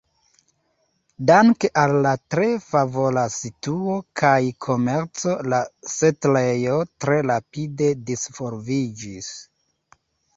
Danke al la tre favora situo kaj komerco la setlejo tre rapide disvolviĝis.